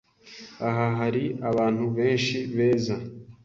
Aha hari abantu benshi beza